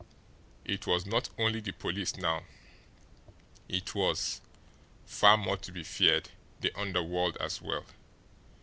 It was not only the police now; it was, far more to be feared, the underworld as well.